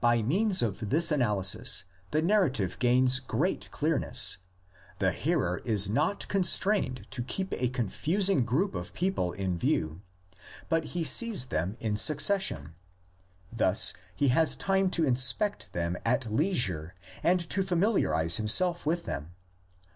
By means of this analysis the narrative gains great clearness; the hearer is not constrained to keep a confusing group of people in view, but he sees them in succession; thus he has time to inspect them at leisure and to familiarise himself with them.